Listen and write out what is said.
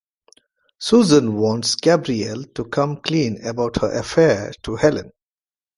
Susan warns Gabrielle to come clean about her affair to Helen.